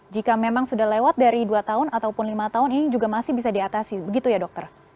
jika memang sudah lewat dari dua tahun ataupun lima tahun ini juga masih bisa diatasi begitu ya dokter